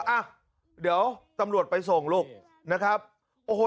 อ่ะเดี๋ยวตำรวจไปส่งลูกนะครับโอ้โห